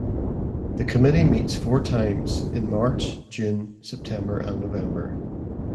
The committee meets four times in March, June, September and November.